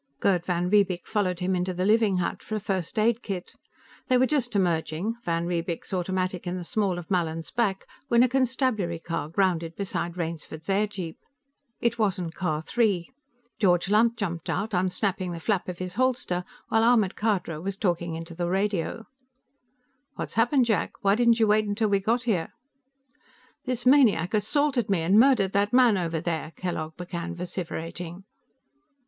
Gerd van Riebeek followed him into the living hut for a first aid kit. They were just emerging, van Riebeek's automatic in the small of Mallin's back, when a constabulary car grounded beside Rainsford's airjeep. It wasn't Car Three. George Lunt jumped out, unsnapping the flap of his holster, while Ahmed Khadra was talking into the radio. "What's happened, Jack? Why didn't you wait till we got here?" "This maniac assaulted me and murdered that man over there!" Kellogg began vociferating.